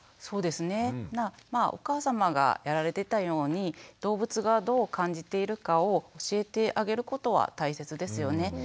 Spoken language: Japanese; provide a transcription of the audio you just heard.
そうですねまあお母さまがやられてたように動物がどう感じているかを教えてあげることは大切ですよね。